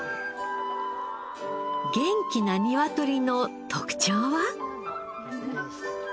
元気なニワトリの特徴は？